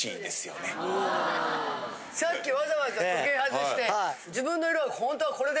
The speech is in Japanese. さっきわざわざ時計外して。